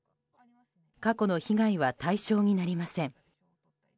過去の被害は対象になりません。